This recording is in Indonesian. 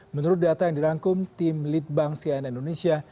menurut data yang dirangkum tim lead bank cna indonesia